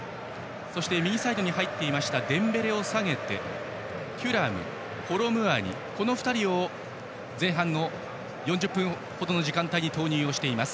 右サイドに入っていたデンベレを下げてテュラム、コロムアニの２人を前半の４０分ほどの時間帯に投入しています。